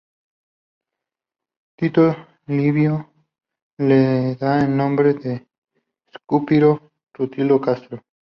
Tito Livio le da el nombre de Espurio Rutilio Craso.